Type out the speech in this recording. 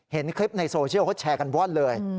เห็นคลิปในโซเชียลเขาแชร์กันว่อนเลย